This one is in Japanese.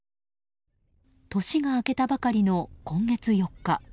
年が明けたばかりの今月４日。